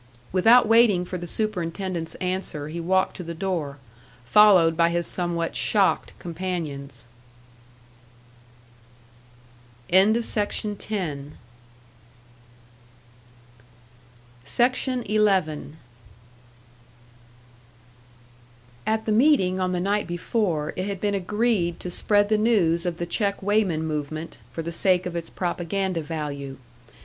Without waiting for the superintendent's answer, he walked to the door, followed by his somewhat shocked companions. SECTION 11. At the meeting on the night before it had been agreed to spread the news of the check weighman movement, for the sake of its propaganda value.